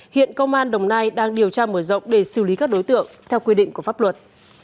hiện công an đồng nai đang điều tra mở rộng để xử lý các đối tượng theo quy định của pháp luật